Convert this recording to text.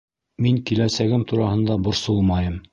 Мин киләсәгем тураһында борсолмайым